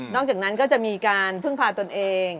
อกจากนั้นก็จะมีการพึ่งพาตนเอง